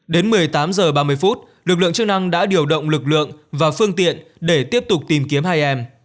đến một mươi tám h ba mươi phút lực lượng chức năng đã điều động lực lượng và phương tiện để tiếp tục tìm kiếm hai em